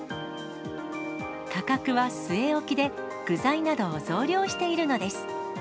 価格は据え置きで具材などを増量しているのです。